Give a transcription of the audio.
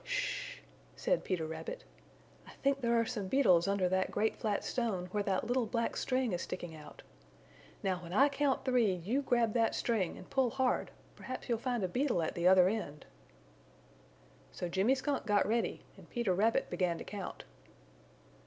"Sh h h!" said Peter Rabbit, "I think there are some beetles under that great flat stone where that little black string is sticking out. Now when I count three you grab that string and pull hard perhaps you'll find a beetle at the other end." So Jimmy Skunk got ready and Peter Rabbit began to count.